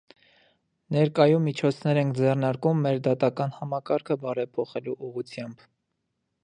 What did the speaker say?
Ներկայում միջոցներ ենք ձեռնարկում մեր դատական համակարգը բարեփոխելու ուղղությամբ։